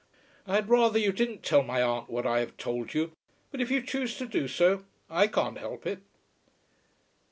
I had rather you didn't tell my aunt what I have told you; but if you choose to do so, I can't help it."